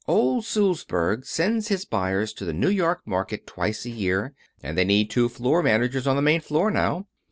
Old Sulzberg sends his buyers to the New York market twice a year, and they need two floor managers on the main floor now.